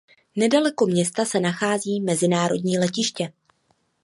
Nedaleko města se nachází mezinárodní letiště.